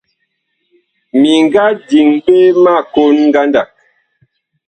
Mi nga diŋ ɓe ma kon ngandag.